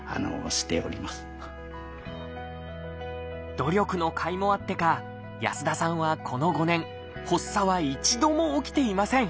努力のかいもあってか安田さんはこの５年発作は一度も起きていません。